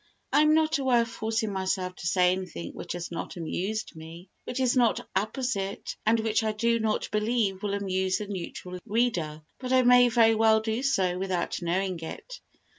I am not aware of forcing myself to say anything which has not amused me, which is not apposite and which I do not believe will amuse a neutral reader, but I may very well do so without knowing it.